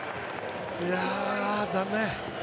いや、残念。